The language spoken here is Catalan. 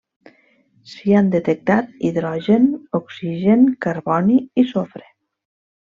S'hi han detectat hidrogen, oxigen, carboni i sofre.